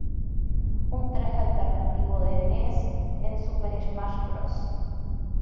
Un traje alternativo de Ness en Super Smash Bros.